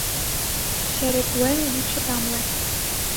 Шере куэн вӱдшӧ тамле